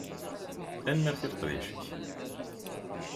Tanemmirt i leqdic-ik.